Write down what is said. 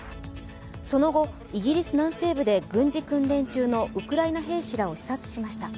その後、イギリス南西部で軍事訓練中のウクライナ兵士らを視察しました。